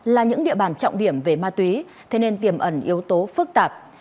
là những địa bàn trọng điểm về ma túy thế nên tiềm ẩn yếu tố phức tạp